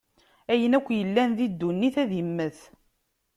Ayen akk yellan di ddunit ad immet.